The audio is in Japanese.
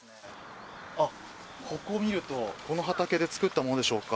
ここを見るとこの畑で作ったものでしょうか。